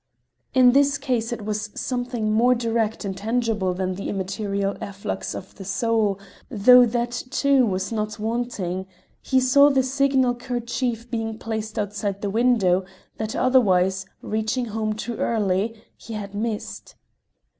In his case it was something more direct and tangible than the immaterial efflux of the soul, though that too was not wanting: he saw the signal kerchief being placed outside the window, that otherwise, reaching home too early, he had missed.